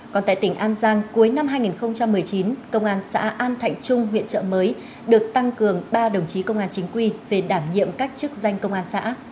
còn tại tỉnh an giang cuối năm hai nghìn một mươi chín công an xã an thạnh trung huyện trợ mới được tăng cường ba đồng chí công an chính quy về đảm nhiệm các chức danh công an xã